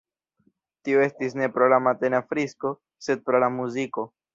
Tio estis ne pro la matena frisko, sed pro la muziko.